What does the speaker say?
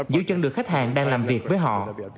giữ chân được khách hàng đang làm việc với họ